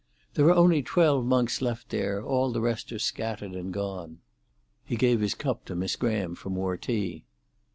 There are only twelve monks left there; all the rest are scattered and gone." He gave his cup to Miss Graham for more tea.